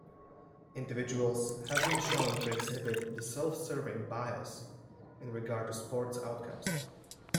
Individuals have been shown to exhibit the self-serving bias in regard to sports outcomes.